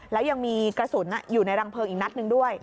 แล้วยังมีกระสุนอยู่ในรังเพลิงอีกนัดหนึ่งด้วย